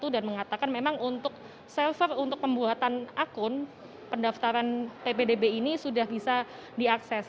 dan mengatakan memang untuk server untuk pembuatan akun pendaftaran ppdb ini sudah bisa diakses